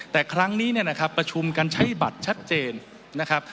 แต่ครั้งนี้เนี่ยนะครับประชุมกันใช้บัตรชัดเจนนะครับ